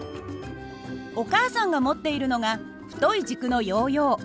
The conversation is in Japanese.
お母さんが持っているのが太い軸のヨーヨー。